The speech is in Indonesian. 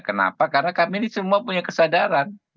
kenapa karena kami ini semua punya kesadaran